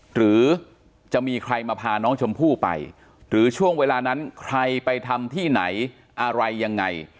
หรือจะมีใครมาพาน้องชมพู่ไปหรือช่วงเวลานั้นใครไปทำที่ไหนอะไรยังไง